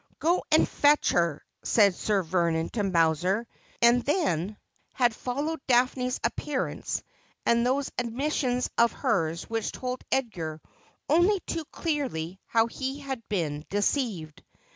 ' Go and fetch her,' said Sir Vernon to Mowser, and then 366 Asphodel. had followed Daphne's appearance, and those admissions of hers which told Edgar only too clearly how he had been de ceived.